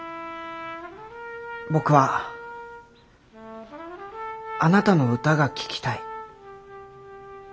僕はあなたの歌が聴きたい。